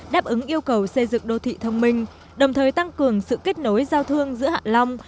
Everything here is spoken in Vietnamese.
đáp ứng yêu cầu xây dựng đô thị thông minh đồng thời tăng cường sự kết nối giao thương giữa hạ long